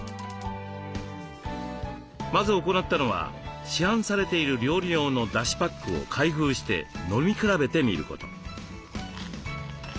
まず行ったのは市販されている料理用のだしパックを開封して飲み比べてみること。